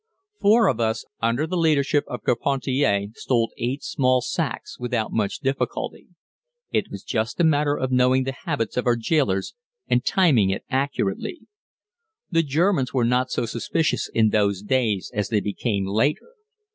Four of us, under the leadership of Carpentier, stole eight small sacks without much difficulty. It was just a matter of knowing the habits of our jailers and timing it accurately. The Germans were not so suspicious in those days as they became later.